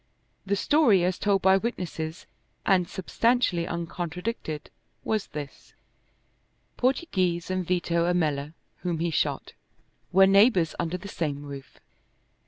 The story as told by witnesses and substantially uncontradicted was this: Portoghese and Vito Ammella, whom he shot, were neighbors under the same roof.